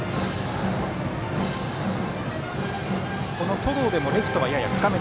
登藤でもレフトはやや深め。